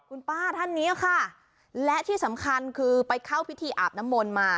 คุณป้าท่านนี้ค่ะและที่สำคัญคือไปเข้าพิธีอาบน้ำมนต์มา